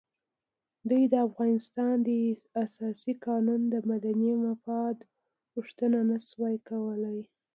دوی د افغانستان د اساسي قانون د مدني مفاد پوښتنه نه شوای کولای.